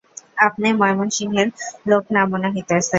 আপনে ময়মনসিংয়ের লোক না মনে হইতাছে।